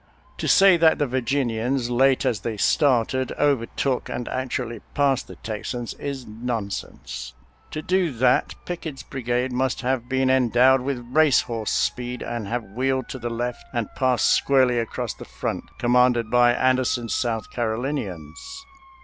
To say that the Virginians, late as they started, overtook and actually passed the Texans, is nonsense. To do that Pickett's bri gade must have been endowed with race horse speed and have wheeled to the left and passed squarely across the front, commanded by An derson's South Carolinians.